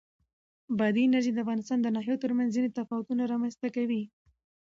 بادي انرژي د افغانستان د ناحیو ترمنځ ځینې تفاوتونه رامنځ ته کوي.